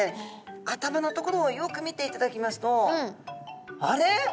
頭のところをよく見ていただきますとあれ？